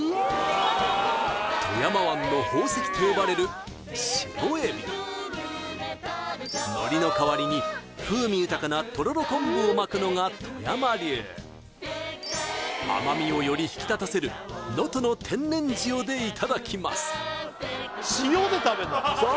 富山湾の宝石と呼ばれる白エビ海苔の代わりに風味豊かなとろろ昆布を巻くのが富山流甘味をより引き立たせる能登の天然塩でいただきますそう